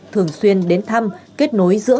thường xuyên đến thăm kết nối giữa